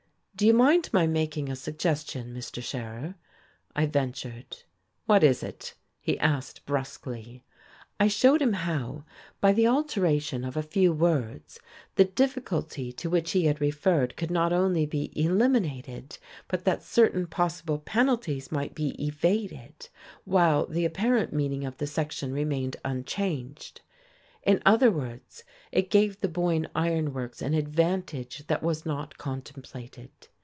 "Do you mind my making a suggestion, Mr. Scherer?" I ventured. "What is it?" he asked brusquely. I showed him how, by the alteration of a few words, the difficulty to which he had referred could not only be eliminated, but that certain possible penalties might be evaded, while the apparent meaning of the section remained unchanged. In other words, it gave the Boyne Iron Works an advantage that was not contemplated.